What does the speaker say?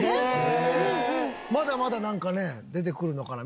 まだまだなんかね出てくるのかな？